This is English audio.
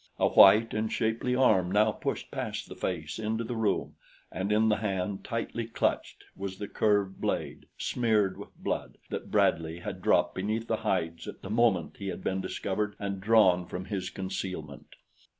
A white and shapely arm now pushed past the face into the room, and in the hand, tightly clutched, was the curved blade, smeared with blood, that Bradley had dropped beneath the hides at the moment he had been discovered and drawn from his concealment.